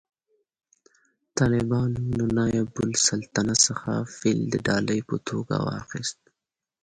طالبانو له نایب السلطنه څخه فیل د ډالۍ په توګه واخیست